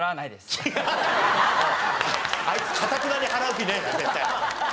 あいつかたくなに払う気ねえな絶対。